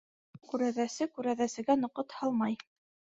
Күрәҙәсе күрәҙәсегә ноҡот һалмай.